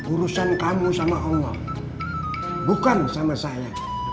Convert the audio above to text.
urusan kamu sama allah bukan sama saya